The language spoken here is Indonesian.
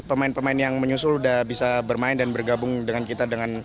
pemain pemain yang menyusul sudah bisa bermain dan bergabung dengan kita